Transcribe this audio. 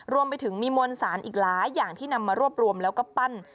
รวมไปถึงมีมวลสารอีกหลายอย่างที่นำมารวบรวมแล้วก็ปั้น